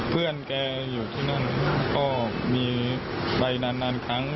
เพื่อนแกอยู่ที่นั่นก็มีไปนานครั้ง